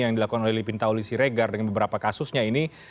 yang dilakukan oleh lipintauli siregar dengan beberapa kasusnya ini